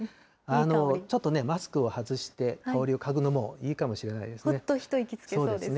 ちょっとね、マスクを外して香りを嗅ぐのもいいかもしれませんね。